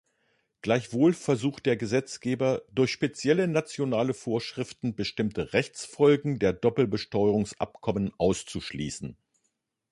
Gleichwohl versucht der Gesetzgeber, durch spezielle nationale Vorschriften bestimmte Rechtsfolgen der Doppelbesteuerungsabkommen auszuschließen.